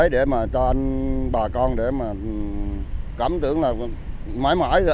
để mà cho bà con để mà cảm tưởng là mãi mãi